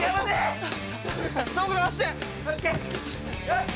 よし！